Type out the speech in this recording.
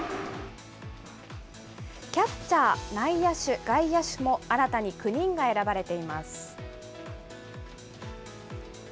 キャッチャー、内野手、外野手も新たに９人が選ばれています。